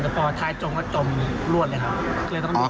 แต่พอท้ายจมก็จมรวดเลยครับ